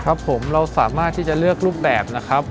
ครับผมเราสามารถที่จะเลือกรูปแบบนะครับ